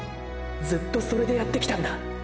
ずっとそれでやってきたんだ